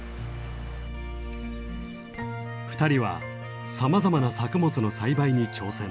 ２人はさまざまな作物の栽培に挑戦。